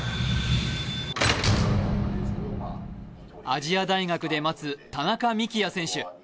亜細亜大学で待つ田中幹也選手。